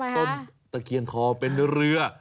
ต้นตะเคียนทองเป็นเรือ